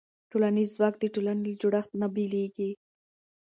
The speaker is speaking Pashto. ټولنیز ځواک د ټولنې له جوړښت نه بېلېږي.